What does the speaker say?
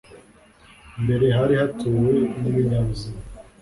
mbere hari hatuwe n'ibinyabuzima